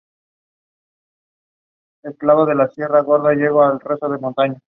Encierra muchas islas menores y rocas.